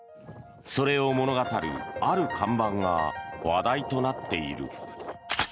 それを物語るある看板が話題となっている。